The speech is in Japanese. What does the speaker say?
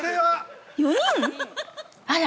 ◆あら？